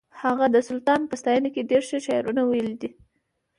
هغه د سلطان په ستاینه کې ډېر ښه شعرونه ویلي دي